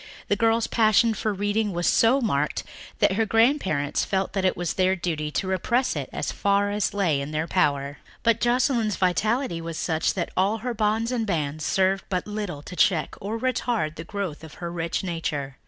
The girl's passion for reading was so marked that her grandparents felt that it was their duty to repress it as far as lay in their power. But Joscelyn's vitality was such that all her bonds and bands served but little to check or retard the growth of her rich nature.